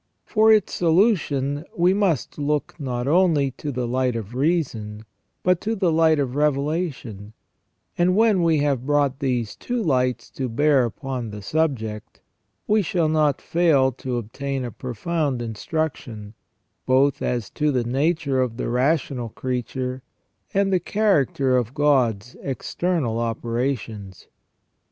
For its solution we must look not only to the light of reason but to the light of revelation, and when we have brought these two lights to bear upon the subject, we shall not fail to obtain a profound instruction, both as to the nature of the rational creature, and the character of God's external operations.